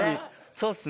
そうっすね。